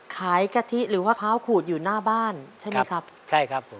กะทิหรือว่าเท้าขูดอยู่หน้าบ้านใช่ไหมครับใช่ครับผม